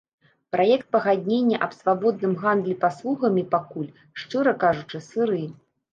Праект пагаднення аб свабодным гандлі паслугамі пакуль, шчыра кажучы, сыры.